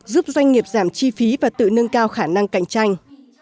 giúp doanh nghiệp giảm chi phí và tự nâng cao khả năng cạnh tranh